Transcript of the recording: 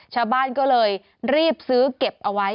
ชาวบ้านก็เลยรีบซื้อเก็บเอาไว้